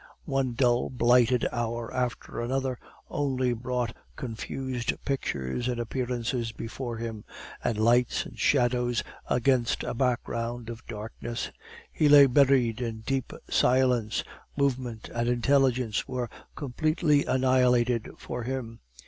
One dull blighted hour after another only brought confused pictures and appearances before him, and lights and shadows against a background of darkness. He lay buried in deep silence; movement and intelligence were completely annihilated for him.